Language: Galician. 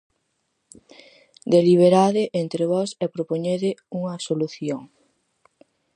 Deliberade entre vós e propoñede unha solución.